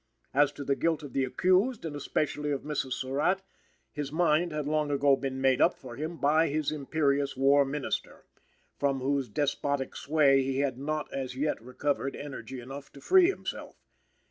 As to the guilt of the accused, and especially of Mrs. Surratt, his mind had long ago been made up for him by his imperious War Minister, from whose despotic sway he had not as yet recovered energy enough to free himself.